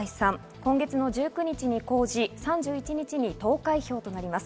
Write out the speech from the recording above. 今月１９日に公示、３１日に投開票となります。